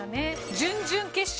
「準々決勝」